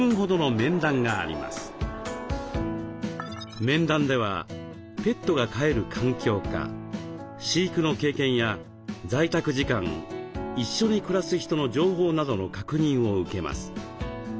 面談ではペットが飼える環境か飼育の経験や在宅時間一緒に暮らす人の情報などの確認を受けます。